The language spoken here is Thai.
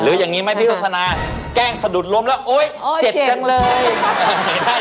หรือยังงี้ไหมพี่ศุษนาแกล้งสะดุดลมแล้วโอ๊ยเจ็ดจังเลย